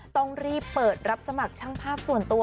ต้องรีบเปิดรับสมัครช่างภาพส่วนตัว